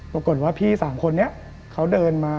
ปรากฏว่าพี่สามคนนี้เขาเดินมา